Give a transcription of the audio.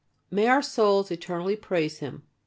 May our souls eternally praise Him.